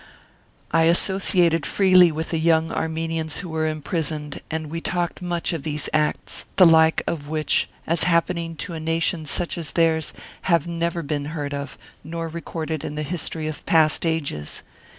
I associated freely with the young Armenians who were imprisoned, and we talked much of these acts, the like of which, as happening to a nation such as theirs, have never been heard of, nor recorded in the history of past ages.